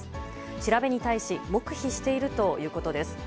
調べに対し黙秘しているということです。